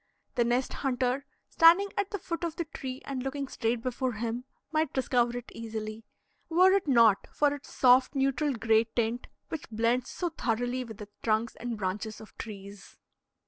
The nest hunter standing at the foot of the tree and looking straight before him, might discover it easily, were it not for its soft, neutral gray tint which blends so thoroughly with the trunks and branches of trees.